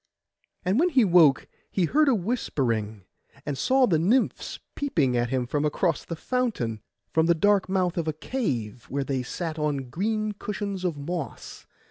And when he woke he heard a whispering, and saw the nymphs peeping at him across the fountain from the dark mouth of a cave, where they sat on green cushions of moss.